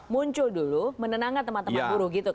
muncul dulu menenangkan teman teman buruh gitu kan